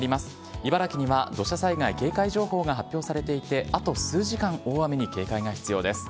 茨城には土砂災害警戒情報が発表されていて、あと数時間、大雨に警戒が必要です。